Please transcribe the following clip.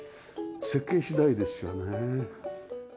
設計次第ですよね。